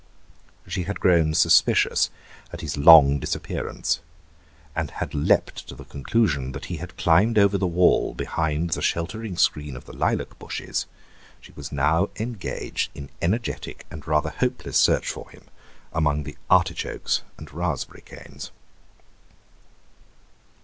She had grown suspicious at his long disappearance, and had leapt to the conclusion that he had climbed over the wall behind the sheltering screen of the lilac bushes; she was now engaged in energetic and rather hopeless search for him among the artichokes and raspberry canes.